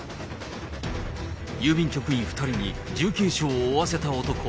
郵便局員２人に重軽傷を負わせた男。